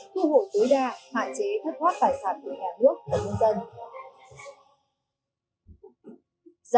thu hội tối đa hại chế thất thoát tài sản của nhà nước và dân dân